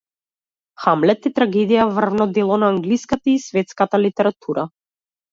„Хамлет“ е трагедија, врвно дело на англиската и светската литература.